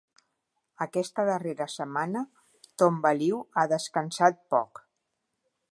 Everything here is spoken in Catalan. Aquesta darrera setmana, Ton Baliu ha descansat poc.